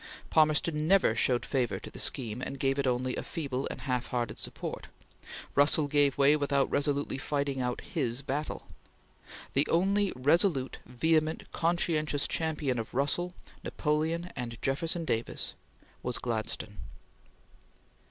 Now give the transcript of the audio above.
Palmerston never showed favor to the scheme and gave it only "a feeble and half hearted support." Russell gave way without resolutely fighting out "his battle." The only resolute, vehement, conscientious champion of Russell, Napoleon, and Jefferson Davis was Gladstone.